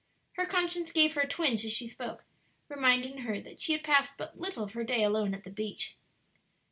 Her conscience gave her a twinge as she spoke, reminding her that she had passed but little of her day alone on the beach.